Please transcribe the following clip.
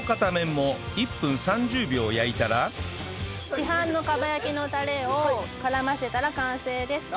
市販の蒲焼きのタレを絡ませたら完成です。